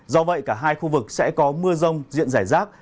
do vậy cả hai khu vực sẽ có mưa rông diện rải rác